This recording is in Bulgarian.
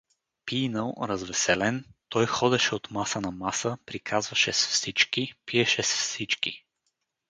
Пийнал, развеселен, той ходеше от маса на маса, приказваше с всички, пиеше с всички.